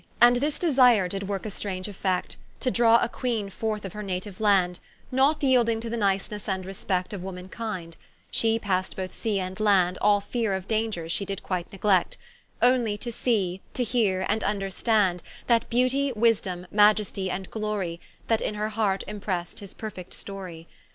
And this Desire did worke a strange effect, To drawe a Queene forth of her natiue Land, Not yeelding to the nicenesse and respect Of woman kind; shee past both sea and land, All feare of dangers shee did quite neglect, Onely to see, to heare, and vnderstand That beauty, wisedome, maiestie, and glorie, That in her heart imprest his perfect storie.